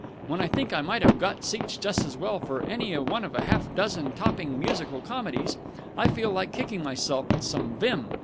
When I think I might have got seats just as well for any one of half a dozen topping musical comedies, I feel like kicking myself with some vim.